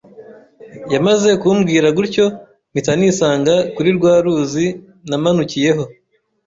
yamaze kumbwira gutyo mpita nisanga kuri rwa ruzi namanukiyeho,